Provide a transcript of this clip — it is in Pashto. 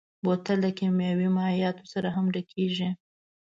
بوتل له کيمیاوي مایعاتو سره هم ډکېږي.